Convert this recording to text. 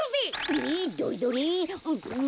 えどれどれ？